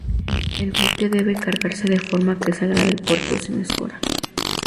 El buque debe cargarse de forma que salga del puerto sin escora.